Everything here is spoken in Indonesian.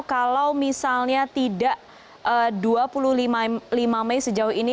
kalau misalnya tidak dua puluh lima mei sejauh ini